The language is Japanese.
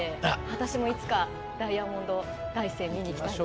私もいつかダイヤモンド大山見に行きたいです。